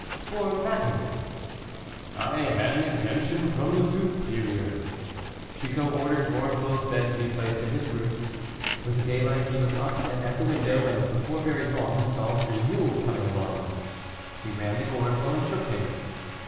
"For matins." "I had an exemption from the superior." Chicot ordered Gorenflot's bed to be placed in his room. With daylight he was up and at the window, and before very long he saw three mules coming along. He ran to Gorenflot and shook him.